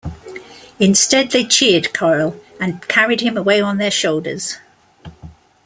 Instead, they cheered Curll and carried him away on their shoulders.